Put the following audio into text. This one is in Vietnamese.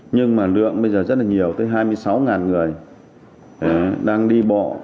nhưng mà lượng bây giờ rất là nhiều tới hai mươi sáu người đang đi bộ